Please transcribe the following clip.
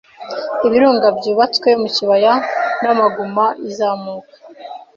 Ibirunga byubatswe mu kibaya na maguma izamuka